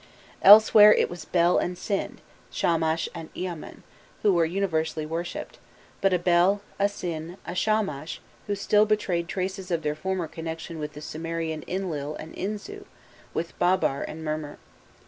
Elsewhere it was Bel and Sin, Shamash and Eamman, who were universally worshipped, but a Bel, a Sin, a Shamash, who still betrayed traces of their former connection with the Sumerian Inlil and Inzu, with Babbar and Mermer.